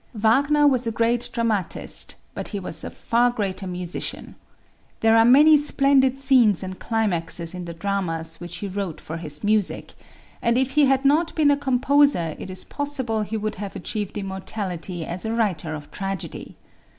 Wagner was a great dramatist, but he was a far greater musician. There are many splendid scenes and climaxes in the dramas which he wrote for his music, and if he had not been a composer it is possible he would have achieved immortality as a writer of tragedy.